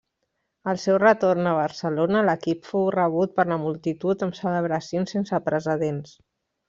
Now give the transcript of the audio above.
Al seu retorn a Barcelona l'equip fou rebut per la multitud amb celebracions sense precedents.